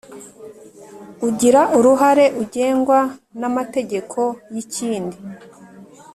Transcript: Ugira Uruhare Ugengwa N Amtegeko Y Ikindi